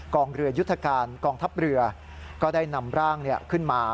กองเรือยุตการทัพเรือก็ได้นำร่างขึ้นมา